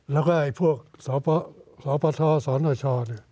แล้วก็ซอว์ปะทอซอว์หน่อยชอ